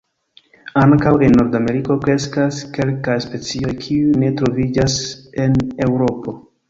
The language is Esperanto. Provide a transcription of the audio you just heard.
Ankaŭ en Nord-Ameriko kreskas kelkaj specioj kiuj ne troviĝas en Eŭropo.